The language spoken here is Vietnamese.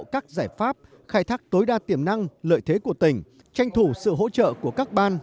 các giải pháp khai thác tối đa tiềm năng lợi thế của tỉnh tranh thủ sự hỗ trợ của các ban